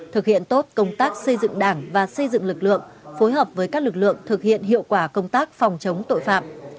thực hiện tốt công tác xây dựng đảng và xây dựng lực lượng phối hợp với các lực lượng thực hiện hiệu quả công tác phòng chống tội phạm